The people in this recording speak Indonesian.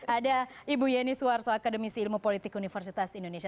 ada ibu yeni suarso akademisi ilmu politik universitas indonesia